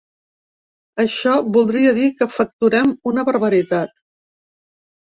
Això voldria dir que facturem una barbaritat.